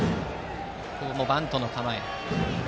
ここもバントの構え。